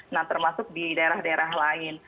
nah termasuk di daerah daerah lain